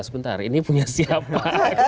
sebentar ini punya siapa